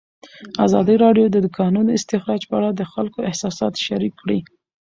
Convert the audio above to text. ازادي راډیو د د کانونو استخراج په اړه د خلکو احساسات شریک کړي.